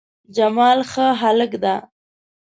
جمال ښه هلک ده